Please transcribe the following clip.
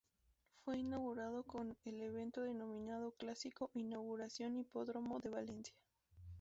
Fue inaugurado con el evento denominado Clásico "Inauguración Hipódromo de Valencia".